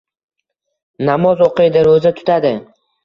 Namoz o‘qiydi, ro‘za tutadi.